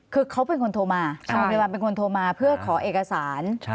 คือเขาเป็นคนโทรมาเพื่อขอเอกสาร